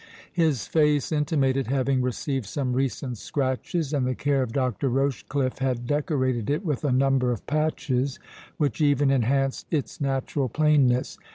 His face intimated having received some recent scratches, and the care of Dr. Rochecliffe had decorated it with a number of patches, which even enhanced its natural plainness.